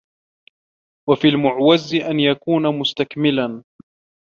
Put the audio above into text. وَفِي الْمُعْوِزِ أَنْ يَكُونَ مُسْتَكْمِلًا